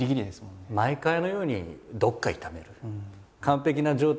毎回のようにどっか痛める。